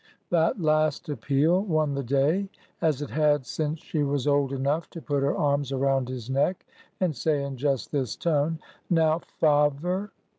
That last appeal won the day, as it had since she was old enough to put her arms around his neck and say in just this tone, Now, fa ver!